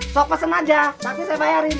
sok pesen aja nanti saya bayarin